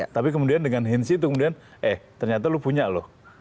tapi kemudian dengan hinzi itu kemudian eh ternyata lu punya loh